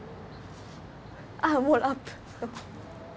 あっもうラップ。